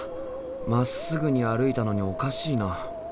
まっすぐに歩いたのにおかしいな。